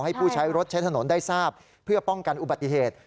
ผู้ใช้รถใช้ถนนได้ทราบเพื่อป้องกันอุบัติเหตุ